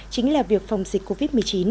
chính là việc phòng dịch covid một mươi chín